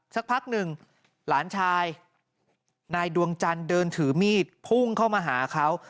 สักพักหนึ่งหลานชายนายดวงจันทร์เดินถือมีดพุ่งเข้ามาหาเขา